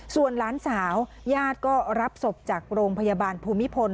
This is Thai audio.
ส่วนหลานสาวญาติก็รับศพจากโรงพยาบาลภูมิพล